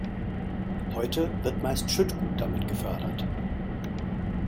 Heute wird meist Schüttgut damit gefördert.